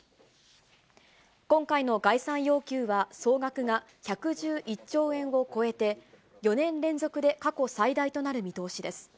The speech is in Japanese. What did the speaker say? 今回の概算要求は総額が１１１兆円を超えて、４年連続で過去最大となる見通しです。